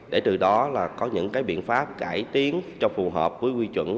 để từ đó là có những biện pháp cải tiến cho phù hợp với quy chuẩn